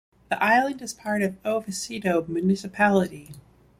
The island is part of O Vicedo municipality.